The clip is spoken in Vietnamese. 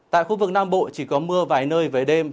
tại khu vực nam bộ chỉ có mưa vài nơi với đêm